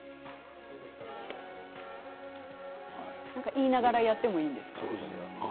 言いながらやってもいいんですか？